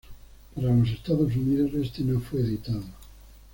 Para los Estados Unidos, este no fue editado.